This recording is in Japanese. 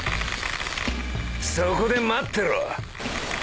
そこで待ってろ！